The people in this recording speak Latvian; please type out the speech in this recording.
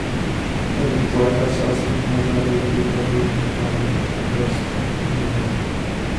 Tanī pat laikā saslima mazā divgadīgā dvīņu Anniņa ar karstumiem un nomira.